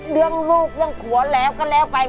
เรื่องลูกเรื่องผัวแล้วก็แล้วไป